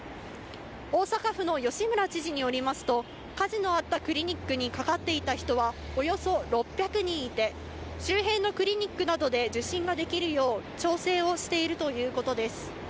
大阪府の吉村知事によりますと、火事のあったクリニックにかかっていた人はおよそ６００人いて、周辺のクリニックなどで受診ができるよう、調整をしているということです。